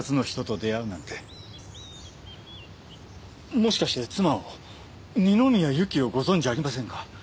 もしかして妻を二宮ゆきをご存じありませんか？